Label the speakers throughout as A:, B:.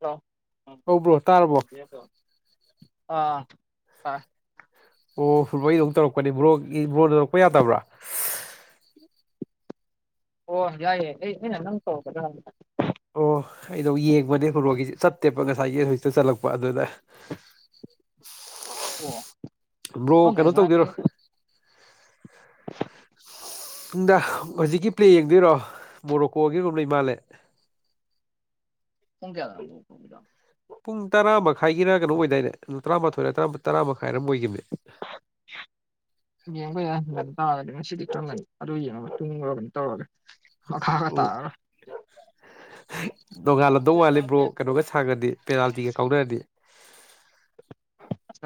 A: hello
B: ꯑꯧ bro ꯇꯥꯔꯕ꯭ꯔꯣ
A: ꯑꯥ ꯑ
B: ꯑꯣ ꯍꯕꯩꯗꯧ ꯇꯧꯔꯛꯄꯅꯤ ꯕ꯭ꯔꯣꯛꯒꯤ ꯕꯣꯔꯣꯗ ꯇꯧꯔꯛꯄ ꯌꯥꯗꯕ꯭ꯔꯥ
A: ꯑꯣ ꯌꯥꯏꯌꯦ ꯑꯩꯅ ꯅꯪ ꯇꯧꯔꯛꯀꯗꯕꯅꯤ
B: ꯑꯣ ꯑꯩꯗꯣ ꯌꯦꯡꯕꯅꯦ ꯕꯣꯔꯣꯒꯤ ꯆꯞꯠꯇꯦꯕ ꯉꯁꯥꯏꯒꯤ ꯍꯧꯖꯤꯛꯇ ꯆꯠꯂꯛꯄ ꯑꯗꯨꯗ
A: ꯑꯣ
B: ꯕ꯭ꯔꯣ
A: ꯈꯪꯗꯦ
B: ꯀꯩꯅꯣ ꯇꯧꯗꯦꯔꯣ
A: ꯉꯁꯥꯏ
B: ꯅꯨꯡꯗ ꯍꯧꯖꯤꯛꯀꯤ ꯄ꯭ꯂꯦ ꯌꯦꯡꯗꯣꯏꯔꯣ ꯃꯣꯔꯣꯀꯣꯒꯤꯒꯨꯝꯕ ꯂꯩ ꯃꯥꯜꯂꯦ
A: ꯄꯨꯡ ꯀꯌꯥꯗ ꯍꯧꯖꯤꯛ ꯀꯤꯗꯣ
B: ꯄꯨꯡ ꯇꯔꯥ ꯃꯈꯥꯏꯒꯤꯅ ꯀꯩꯅꯣ ꯑꯣꯏꯗꯥꯏꯅꯦ ꯅ ꯇꯔꯥꯃꯥꯊꯣꯏ ꯇꯔꯥ ꯃꯈꯥꯏꯔ ꯑꯃꯝ ꯑꯣꯏꯈꯤꯕꯅꯦ
A: ꯌꯦꯡꯕ ꯌꯥꯏ ꯇꯥꯒꯗꯤ ꯉ ꯁꯤꯗꯤ ꯈꯪꯒꯅꯤ ꯑꯗꯨ ꯌꯦꯡꯉꯒ ꯇꯨꯡꯉꯨꯔꯒꯅꯤ ꯇꯧꯔꯒꯦ ꯃꯈꯥꯒ
B: ꯑꯣ
A: ꯇꯥꯔꯔꯣꯢ
B: ꯅꯣꯡꯉꯥꯜꯂꯝꯗꯧ ꯋꯥꯜꯂꯤꯕ꯭ꯔꯣ ꯀꯩꯅꯣꯒ ꯁꯥꯡꯉ꯭ꯔꯗꯤ ꯄꯦꯅꯥꯜꯇꯤꯒ ꯀꯥꯎꯅꯔꯗꯤ
A: [unintelligible]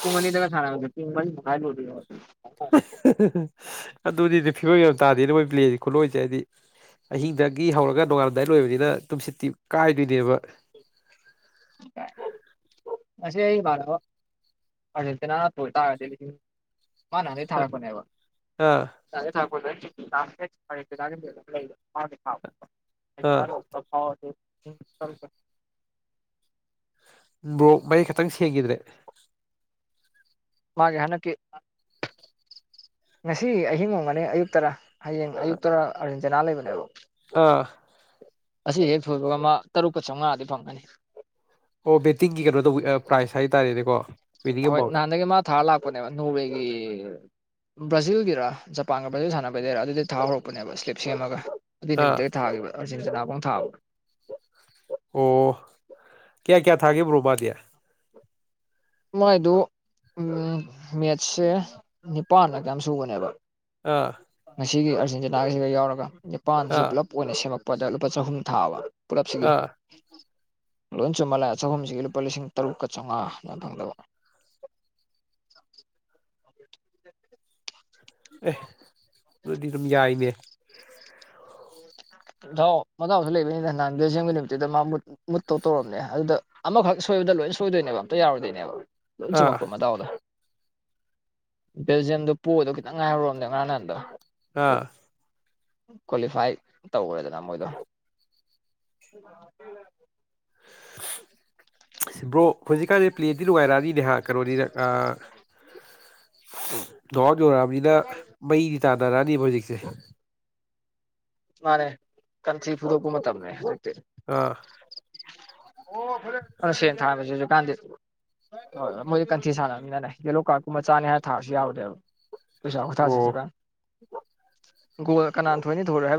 A: ꯄꯨꯡ ꯑꯅꯤꯗꯒ ꯁꯥꯟꯅꯕꯗꯣ ꯄꯨꯡ ꯃꯔꯤꯃꯈꯥꯢꯗ ꯂꯣꯢꯗꯣꯢꯅꯦꯕ
B: ꯑꯗꯨꯅꯤꯅꯦ ꯐꯤꯕꯝ ꯌꯥꯝ ꯇꯥꯗꯦꯅꯦ ꯃꯣꯏ ꯄ꯭ꯂꯦꯁꯤ ꯈꯨꯂꯣꯏꯁꯦ ꯍꯥꯏꯗꯤ ꯑꯍꯤꯡꯗꯒꯤ ꯍꯧꯔꯒ ꯅꯣꯡꯉꯥꯜꯂꯝꯗꯥꯏ ꯂꯣꯏꯕꯅꯤꯅ ꯇꯨꯝꯁꯤꯠꯇꯤ ꯀꯥꯏꯗꯣꯏꯅꯦꯕ
A: ꯑꯁꯤꯁꯦ ꯑꯩ ꯑꯔꯛꯇꯅꯥ ꯄꯣ ꯇꯒꯗ ꯃꯥ ꯅ ꯍꯧꯖꯤꯛ ꯊꯥꯔꯛꯄꯅꯦꯕ
B: ꯑꯥ ꯑꯥ
A: [unintelligible] [unintelligible]
B: ꯕ꯭ꯔꯣ ꯃꯌꯦꯛ ꯈꯤꯇꯪ ꯁꯦꯡꯈꯤꯗ꯭ꯔꯦ
A: ꯃꯥꯒꯤ ꯍꯟꯗꯛꯀꯤ ꯉꯁꯤ ꯑꯍꯤꯡ ꯉꯣꯡꯒꯅꯤ ꯑꯌꯨꯛ ꯇꯔꯥ ꯍꯌꯦꯡ ꯑꯌꯨꯛꯇ ꯑꯔꯖꯦꯟꯇꯤꯅꯥ ꯂꯩꯕꯅꯦꯕ
B: ꯑꯥ
A: ꯑꯁꯤ ꯍꯦꯛ ꯐꯣꯏꯕꯒ ꯑꯃ ꯇꯔꯨꯛꯀ ꯆꯥꯝꯉꯥꯗꯤ ꯐꯪꯒꯅꯤ
B: ꯑꯣ ꯕꯦꯠꯇꯤꯡꯒꯤ ꯀꯩꯅꯣ ꯇꯧꯕ ꯄ꯭ꯔꯥꯏꯖ ꯍꯥꯏꯇꯥꯔꯦꯅꯦꯀꯣ ꯋꯤꯅꯤꯡ
A: ꯍꯣꯏ
B: ꯑꯦꯃꯥꯎꯟ
A: ꯅꯍꯥꯟꯗꯒꯤ ꯃꯥ ꯊꯥꯔ ꯂꯥꯛꯄꯅꯦꯕ ꯅꯣꯋꯦꯒꯤ ꯕ꯭ꯔꯥꯖꯤꯜꯒꯤꯔ ꯖꯄꯥꯟꯒ ꯕ꯭ꯔꯥꯖꯤꯜ ꯁꯥꯟꯅꯕꯩꯗꯩꯔ ꯑꯗꯨꯗꯤ ꯊꯥ ꯍꯧꯔꯛꯄꯅꯦꯕ ꯁ꯭ꯂꯤꯞ ꯁꯦꯝꯃꯒ ꯑꯗꯨꯏ
B: ꯑꯥ
A: ꯅꯨꯃꯤꯠꯇꯒꯤ ꯊꯥꯈꯤꯕꯕ ꯑꯔꯖꯦꯟꯇꯤꯅꯥꯐꯥꯎ ꯊꯥꯕ꯭ꯔꯣ
B: ꯑꯣ ꯀꯌꯥ ꯀꯌꯥ ꯊꯥꯒꯦ ꯕ꯭ꯔꯣ ꯃꯥꯗꯤ
A: ꯃꯥꯏꯗꯨ ꯎꯝ ꯅꯦꯠꯁꯦ ꯅꯤꯄꯥꯟꯂ ꯀꯌꯥꯝ ꯁꯨꯕꯅꯦꯕ
B: ꯑꯥ
A: ꯉꯁꯤꯒꯤ ꯑꯥꯔꯖꯦꯟꯇꯤꯅꯥꯒꯤꯁꯤꯒ ꯌꯥꯎꯔꯒ ꯅꯤꯄꯥꯟꯁꯤ ꯄꯨꯂꯞ ꯑꯣꯏꯅ ꯁꯦꯝꯃꯛꯄꯗ ꯂꯨꯄꯥ ꯆꯍꯨꯝ ꯊꯥꯕ ꯄꯨꯂꯞꯁꯤꯒꯤ
B: ꯑꯥ
A: ꯂꯣꯏ ꯆꯨꯝꯃꯜꯂꯦ ꯆꯒꯨꯝꯁꯤꯒꯤ ꯂꯨꯄꯥ ꯂꯤꯁꯤꯡ ꯇꯔꯨꯛꯀ ꯆꯥꯝꯃꯉꯥ ꯌꯥꯝ ꯐꯪꯗꯕ
B: ꯑꯦ ꯑꯗꯨꯗꯤ ꯑꯗꯨꯝ ꯌꯥꯏꯅꯦ
A: [unintelligible]
B: [unintelligible]
A: ꯥꯍꯂꯣ ꯃꯗꯥꯎꯁꯨ ꯂꯩꯕꯅꯤꯅ ꯅꯍꯥꯟ ꯕꯦꯜꯖꯤꯌꯝ ꯅꯨꯃꯤꯠꯇꯨꯗ ꯃꯥ ꯃꯨꯠ ꯃꯨꯠꯇꯧ ꯇꯧꯔꯕꯅꯦ ꯑꯗꯨꯗ ꯑꯃꯈꯛ ꯁꯣꯏꯕꯗ ꯂꯣꯏ ꯁꯣꯏꯗꯣꯏꯅꯦꯕ ꯑꯝꯇ ꯌꯥꯔꯣꯏꯗꯣꯏꯅꯦꯕ ꯑꯗꯨꯝ
B: ꯑꯥ
A: ꯆꯨꯝꯃꯛꯄꯣ ꯃꯗꯥꯎꯗꯣ ꯕꯦꯜꯖꯤꯌꯝ ꯗꯣ ꯄꯣꯗꯧ ꯈꯤ ꯅꯪ ꯉꯥꯍꯧꯔꯕꯅꯦ ꯉꯔꯥꯡ ꯅꯍꯥꯟꯗꯣ ꯑꯗꯨ
B: ꯑꯥ
A: ꯀ꯭ꯋꯥꯂꯤꯐꯥꯏ ꯇꯧꯔꯦꯗꯅ ꯃꯣꯏꯗꯣ [unintelligible]
B: [unintelligible] ꯕ꯭ꯔꯣ ꯍꯧꯖꯤꯛꯀꯥꯟꯗꯤ ꯄ꯭ꯂꯦꯗꯤ ꯅꯨꯡꯉꯥꯏꯔꯛꯑꯅꯤꯅꯦꯍ ꯀꯩꯅꯣꯅꯤꯅ ꯑ ꯔꯥꯛ ꯌꯧꯔꯛꯑꯕꯅꯤꯅ ꯃꯩꯗꯤ ꯇꯥꯟꯅꯔꯛꯅꯦꯕ ꯍꯧꯖꯤꯛꯁꯦ
A: ꯃꯅꯦ ꯀꯟꯁꯤ ꯐꯨꯗꯣꯛꯄ ꯃꯇꯝꯅꯦ ꯍꯧꯖꯤꯛꯇꯤ
B: ꯑꯥ
A: ꯑꯣ ꯐꯔꯦ ꯁꯦ ꯊꯥꯅꯕꯁꯤꯁꯨ ꯀꯥꯟꯅꯗꯦ ꯍꯣꯏ ꯍꯣꯏ ꯃꯣꯏꯗꯤ ꯀꯟꯊꯤ ꯁꯥꯟꯅꯕꯅꯤꯅꯅꯦ ꯌꯦꯂꯣ ꯀꯥꯔꯠꯀꯨꯝꯕ ꯆꯥꯅꯤ ꯍꯥꯏꯅ ꯊꯥꯔꯁꯨ ꯌꯥꯎꯕꯅꯦꯕ ꯄꯩꯁꯥ ꯈꯨꯊꯥꯁꯤ
B: ꯑꯣ
A: ꯍꯧꯖꯤꯛꯀꯥꯟ ꯒꯣꯜ ꯀꯅꯥꯅ ꯊꯣꯏꯅꯤ ꯊꯣꯔꯣꯢ ꯍꯥꯏ